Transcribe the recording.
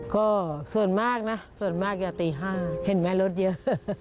ก็ส่วนมากนะส่วนมากจะตี๕เห็นไหมรถเยอะ